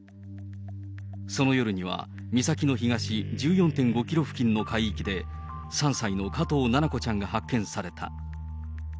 その夜には、岬の東１４．５キロ付近の海域で、３歳の加藤七菜子ちゃんが発見された。